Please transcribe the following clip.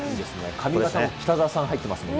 髪形も北澤さん入ってますよね。